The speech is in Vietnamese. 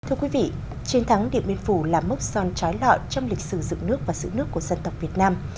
thưa quý vị chiến thắng điện biên phủ là mốc son trái lọ trong lịch sử dựng nước và sử nước của dân tộc việt nam